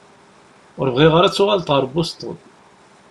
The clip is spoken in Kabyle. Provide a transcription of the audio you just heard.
Ur bɣiɣ ara ad tuɣaleḍ ar Boston.